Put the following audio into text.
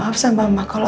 aku bisa bawa dia ke rumah